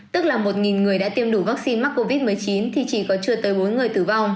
tức là một người đã tiêm đủ vaccine mắc covid một mươi chín thì chỉ có chưa tới bốn người tử vong